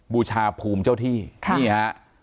บูชาภูมิเจ้าที่นี่ฮะ